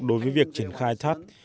đối với việc triển khai thắt